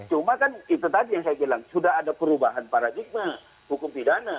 cuma kan itu tadi yang saya bilang sudah ada perubahan paradigma hukum pidana